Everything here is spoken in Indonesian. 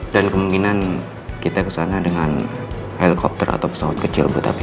dan kemungkinan kita ke sana dengan helikopter atau pesawat kecil bu tapi